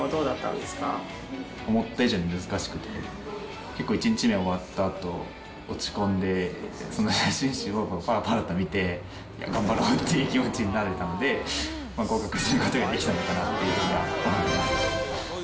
思った以上に難しくて、結構、１日目終わったあと落ち込んで、その写真集をぱらぱらと見て、頑張ろうっていう気持ちになれたので、合格することができたのかなっていうふうには思ってます。